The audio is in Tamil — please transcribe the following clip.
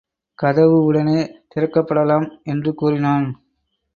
கதவு உடனே திறக்கப் படலாம் என்று கூறினான்.